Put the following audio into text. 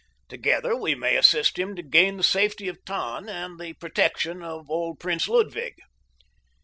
Together we may assist him to gain the safety of Tann and the protection of old Prince Ludwig."